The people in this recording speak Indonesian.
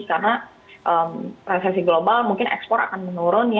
karena resesi global mungkin ekspor akan menurun